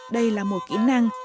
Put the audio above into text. đây là một kỹ năng